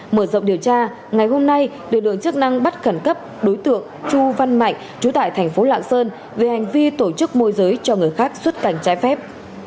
mở rộng điều tra ngày hôm nay lực lượng chức năng bắt khẩn cấp đối tượng chu văn mạnh chú tại thành phố lạng sơn về hành vi tổ chức môi giới cho người khác xuất cảnh trái phép